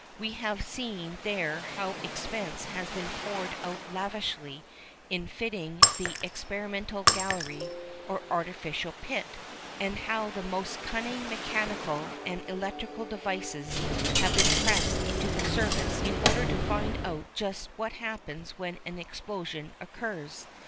We have seen there how expense has been poured out lavishly in fitting up the experimental gallery or artificial pit, and how the most cunning mechanical and electrical devices have been pressed into the service in order to find out just what happens when an explosion occurs.